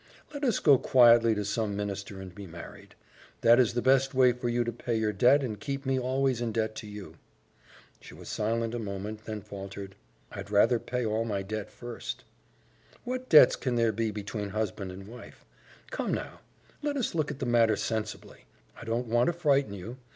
Let us go quietly to some minister and be married. That is the best way for you to pay your debt and keep me always in debt to you." She was silent a moment, then faltered, "I'd rather pay all my debt first." "What debts can there be between husband and wife? Come now, let us look at the matter sensibly. I don't want to frighten you.